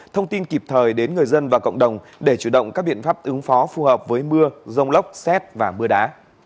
thông tin kịp thời đến người dân và cộng đồng để chủ động các biện pháp ứng phó phù hợp với mưa rông lốc xét và mưa đá